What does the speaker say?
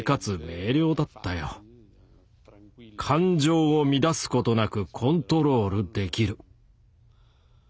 感情を乱すことなくコントロールできる。